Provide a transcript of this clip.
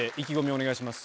お願いします！